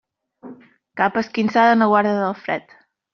Capa esquinçada no guarda del fred.